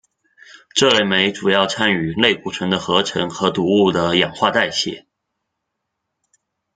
这类酶主要参与类固醇的合成和毒物的氧化代谢。